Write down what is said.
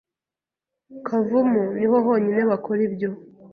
Kavumu niho honyine bakora ibyo